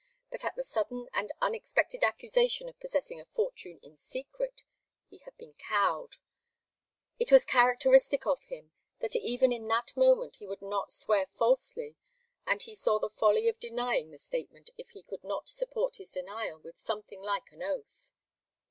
But at the sudden and unexpected accusation of possessing a fortune in secret, he had been cowed. It was characteristic of him that even in that moment he would not swear falsely, and he saw the folly of denying the statement if he could not support his denial with something like an oath.